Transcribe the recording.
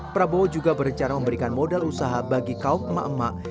prabowo juga berencana memberikan modal usaha bagi kaum emak emak